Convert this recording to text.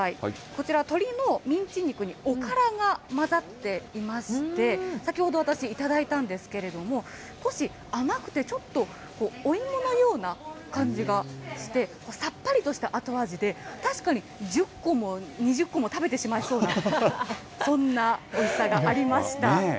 こちら、鶏のミンチ肉におからが混ざっていまして、先ほど私、頂いたんですけれども、少し甘くてちょっとお芋のような感じがして、さっぱりとした後味で、確かに、１０個も２０個も食べてしまいそうな、そんなおいしさがありました。